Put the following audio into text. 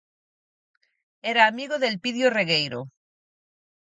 _Era amigo de Elpidio Regueiro...